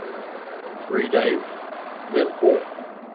Three days. Then four.